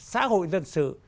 xã hội dân sự